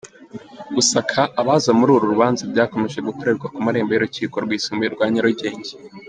Gusaka abaza muri uru rubanza byakomeje gukorerwa ku marembo y’Urukiko rwisumbuye rwa Nyarugenge.